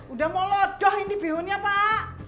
udah mau lodoh ini bihunnya pak